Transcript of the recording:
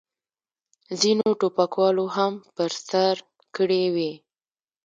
ځینو ټوپکوالو هم په سر کړې وې.